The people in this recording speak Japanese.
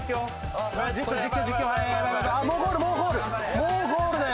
もうゴールだよ！